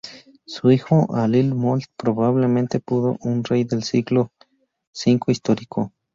Su hijo Ailill Molt probablemente pudo un rey de siglo V histórico.